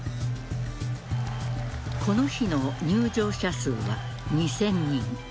この日の入場者数は２０００人。